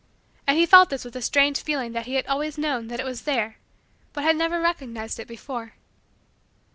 And he felt this with a strange feeling that he had always known that it was there but had never recognized it before.